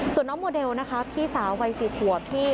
ส่วนน้องโมเดลนะคะพี่สาววัย๔ขวบที่